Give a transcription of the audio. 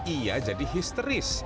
ia jadi histeris